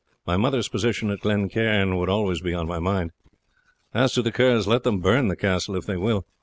My mother's position at Glen Cairn would always be on my mind. As to the Kerrs, let them burn the castle if they will.